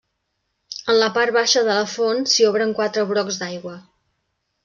En la part baixa de la font s'hi obren quatre brocs d'aigua.